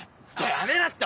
やめなって！